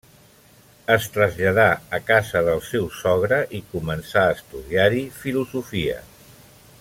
Es traslladà a casa del seu sogre i començà a estudiar-hi filosofia.